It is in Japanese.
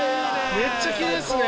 めっちゃきれいですね。